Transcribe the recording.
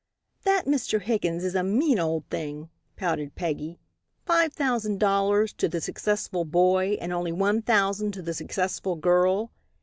"That Mr. Higgins is a mean old thing," pouted Peggy, "five thousand dollars to the successful boy and only one thousand to the successful girl.